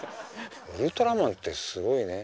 「ウルトラマン」ってすごいね。